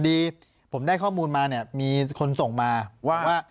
ดีผมได้ข้อมูลมาเนี่ยมีคนส่งมาว่า